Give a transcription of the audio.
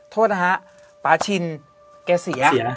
โทษนะฮะปาชินแกเสีย